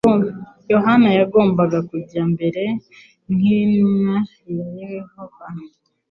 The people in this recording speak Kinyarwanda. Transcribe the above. Yohana yagombaga kujya mbere nk'intumwa ya Yehova